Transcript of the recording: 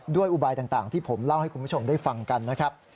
อุบายต่างที่ผมเล่าให้คุณผู้ชมได้ฟังกันนะครับ